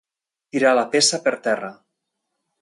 Tirar la peça per terra.